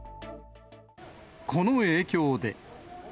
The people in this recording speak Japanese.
この影響で。